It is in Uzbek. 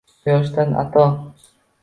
Quyoshdan ato: